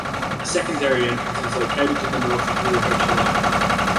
A secondary entrance is located to the north of rue Hochelaga.